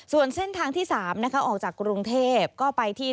ส่วนเส้นทางที่๓นะคะออกจากกรุงเทพก็ไปที่